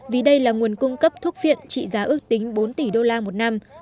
vì đây là nguồn cung cấp thuốc viện trị giá ước tính bốn tỷ đô la một năm